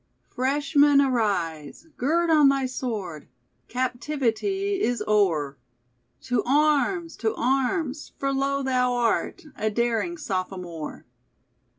"Freshman, arise! Gird on thy sword! Captivity is o'er. To arms! To arms! For, lo! thou art A daring sophomore!"